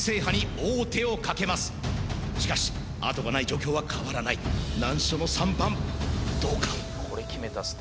しかしあとがない状況は変わらない難所の３番どうか？